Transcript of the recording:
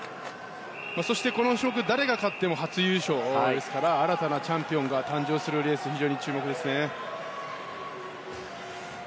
そして、この種目誰が勝っても初優勝ですから新たなチャンピオンが誕生するレース非常に注目ですね。